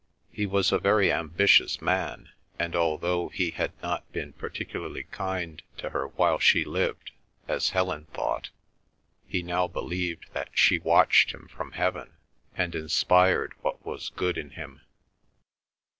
He was a very ambitious man; and although he had not been particularly kind to her while she lived, as Helen thought, he now believed that she watched him from Heaven, and inspired what was good in him.